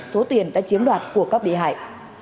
nói chiếm đoạt của các bị hại